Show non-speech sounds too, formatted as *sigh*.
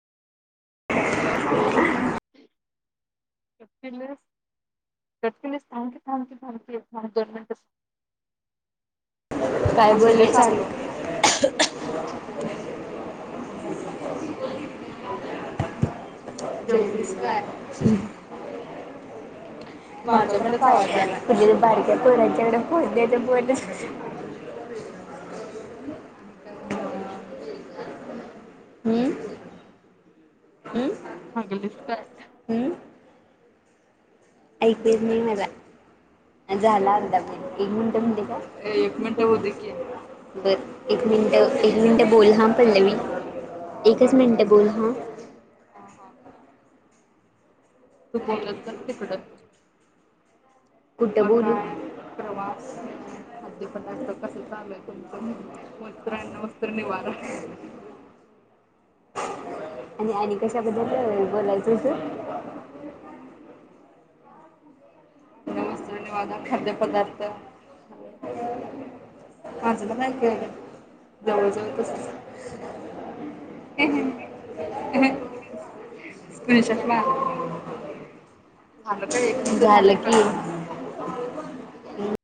*unintelligible* *unintelligible* Cut केलीस थांबकी थांबकी थांबकी थांब दोन मिनिटच काय मिनिट झाले? *inaudible* जेवलीस काय? माझा मलाच आवाज यालय बारक्या पोराच्याकढ फोन दे ते बोल *unintelligible* हम्म. हली काय. ऐकच नाही म झाला अदा एक म्हणत म्हणते का. एक मिनिट होते की. बरं एक मिनटं एक मिनटं बोल ह पल्लं मी एकच मिनटं बोल हं. तू बोलत ज तिकड. कुठबोल. प्रवास खाद्यपदार्थ कस चाललंय वत्रान. धन्यवाार. *inaudible* आणि आणि कशाबद्दल बोलायचं तू. ब धन्यवाद खाद्य पदार्थ. हा तुम्हाला ऐक आलं गवज तस. *inaudible* झालं क.